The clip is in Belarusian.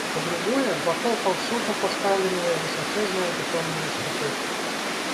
Па-другое, вакол паўсюдна пастаўленыя высачэзныя бетонныя слупы.